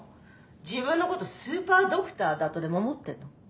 自分のことスーパードクターだとでも思ってんの？